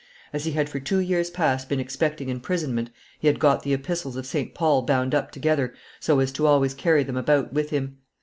"As he had for two years past been expecting imprisonment, he had got the epistles of St. Paul bound up together so as to always carry them about with him.